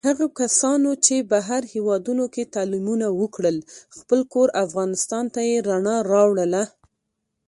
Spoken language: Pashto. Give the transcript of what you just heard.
هغو کسانو چې بهر هېوادونوکې تعلیمونه وکړل، خپل کور افغانستان ته یې رڼا راوړله.